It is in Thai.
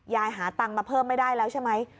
หาตังค์มาเพิ่มไม่ได้แล้วใช่ไหม